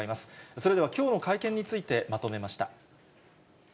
それではきょうの会見についてまとめました。